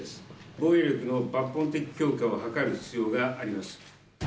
防衛力の抜本的強化を図る必要があります。